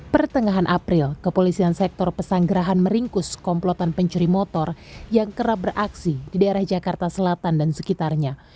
pertengahan april kepolisian sektor pesanggerahan meringkus komplotan pencuri motor yang kerap beraksi di daerah jakarta selatan dan sekitarnya